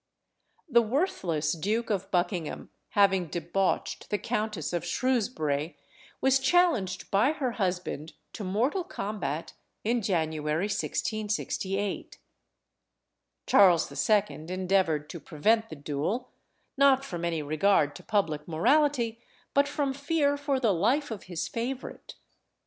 The worthless Duke of Buckingham, having debauched the Countess of Shrewsbury, was challenged by her husband to mortal combat in January 1668. Charles II. endeavoured to prevent the duel, not from any regard to public morality, but from fear for the life of his favourite.